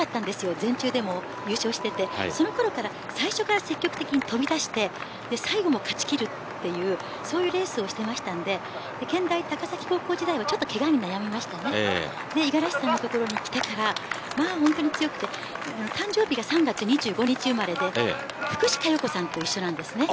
全中でも優勝していてそのころから最初から積極的に飛び出して最後も勝ち切るというそういうレースをしていたので健大高崎高校時代はちょっとけがに悩みましたが五十嵐さんのところへきてから本当に強くて誕生日が３月２５日生まれで福士加代子さんと一緒です。